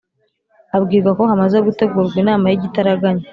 abwirwako hamaze gutegurwa inama yigitaraganya